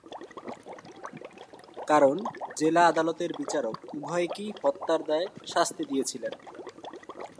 কারণ জেলা আদালতের বিচারক উভয়কেই হত্যার দায়ে শাস্তি দিয়েছিলেন।